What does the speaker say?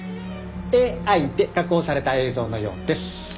ＡＩで加工された映像のようです。